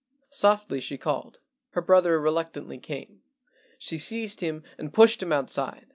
Softly she called. Her brother reluctantly came. She seized him and pushed him outside.